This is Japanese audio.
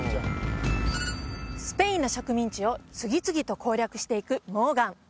スペインの植民地を次々と攻略していくモーガン